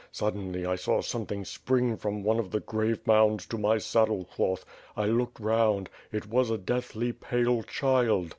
Suddenly, I saw something spring from one of the grave mounds to my saddle cloth. I looked round. It was a deathly pale child.